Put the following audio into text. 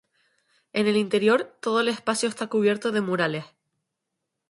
En el interior, todo el espacio está cubierto de murales.